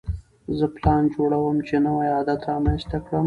زه پلان جوړوم چې نوی عادت رامنځته کړم.